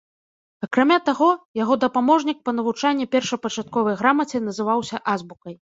Акрамя таго, яго дапаможнік па навучанні першапачатковай грамаце называўся азбукай.